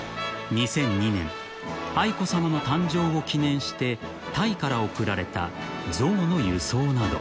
２００２年愛子さまの誕生を記念してタイから贈られた象の輸送など］